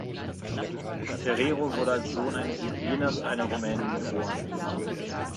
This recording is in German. Ferrero wurde als Sohn eines Italieners und einer Rumänin geboren.